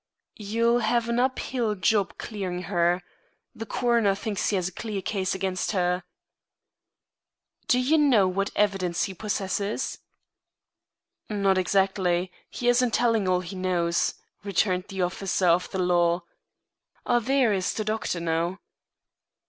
"You'll have an uphill job clearing her. The coroner thinks he has a clear case against her." "Do you know what evidence he possesses?" "Not exactly. He isn't telling all he knows," returned the officer of the law. "There is the doctor now."